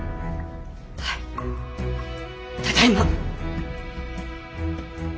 はいただいま。